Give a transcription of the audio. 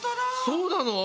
そうなの？